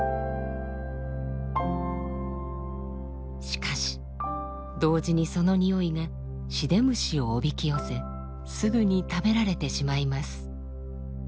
しかし同時にそのにおいがシデムシをおびき寄せすぐに食べられてしまいます。